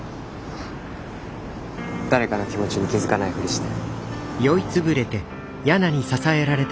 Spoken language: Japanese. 誰かの気持ちに気付かないふりして。